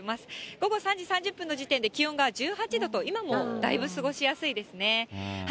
午後３時３０分の時点で、気温が１８度と、今もだいぶ過ごしやすいですね。